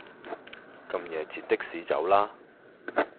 咁夜截的士走啦